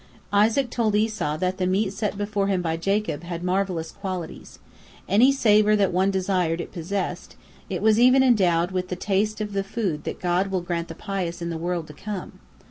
Isaac told Esau that the meat set before him by Jacob had had marvellous qualities. Any savor that one desired it possessed, it was even endowed with the taste of the food that God will grant the pious in the world to come.